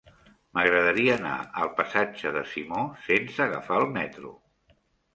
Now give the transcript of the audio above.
M'agradaria anar al passatge de Simó sense agafar el metro.